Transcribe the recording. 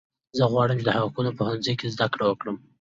زه غواړم چې د حقوقو په پوهنځي کې زده کړه وکړم